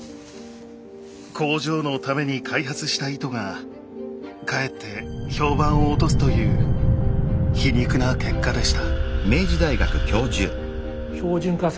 工場のために開発した糸がかえって評判を落とすという皮肉な結果でした。